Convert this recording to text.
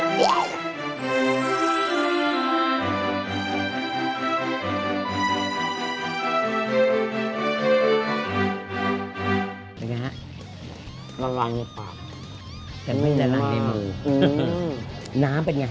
เป็นไงฮะน้ำร้ายในปากแต่ไม่น้ำร้ายในมืออือน้ำเป็นไง